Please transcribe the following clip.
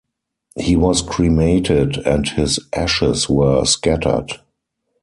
He was cremated, and his ashes were scattered.